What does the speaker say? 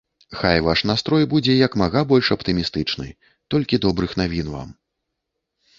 Хай ваш настрой будзе як мага больш аптымістычны, толькі добрых навін вам.